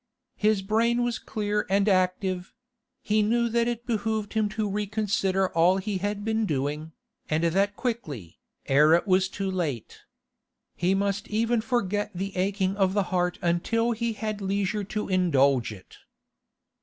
His brain was clear and active; he knew that it behoved him to reconsider all he had been doing, and that quickly, ere it was too late. He must even forget that aching of the heart until he had leisure to indulge it.